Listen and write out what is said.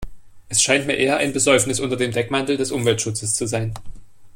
Es scheint mir eher ein Besäufnis unter dem Deckmantel des Umweltschutzes zu sein.